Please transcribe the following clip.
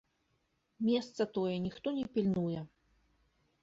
Месца тое ніхто не пільнуе.